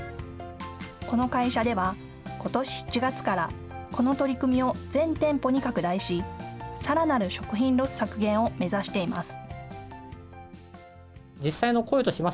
この会社では、ことし７月からこの取り組みを全店舗に拡大しさらなる食品ロス削減を目指しています。